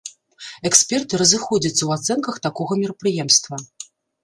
Эксперты разыходзяцца ў ацэнках такога мерапрыемства.